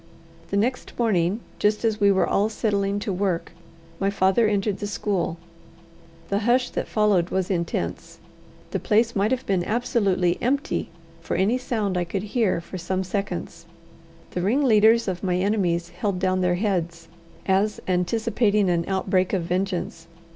The next morning, just as we were all settling to work, my father entered the school. The hush that followed was intense. The place might have been absolutely empty for any sound I could hear for some seconds. The ringleaders of my enemies held down their heads, as anticipating an outbreak of vengeance.